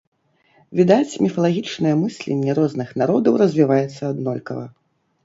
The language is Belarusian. Відаць, міфалагічнае мысленне розных народаў развіваецца аднолькава.